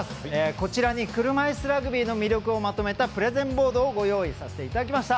こちらに車いすラグビーの魅力をまとめたプレゼンボードをご用意させていただきました。